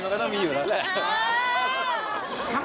มันก็ต้องมีอยู่แล้วแหละ